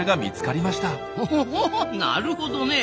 ほほほほなるほどね。